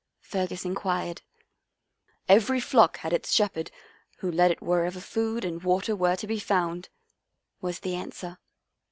Fergus inquired. " Every flock had its shepherd, who led it wherever food and water were to be found," was the answer.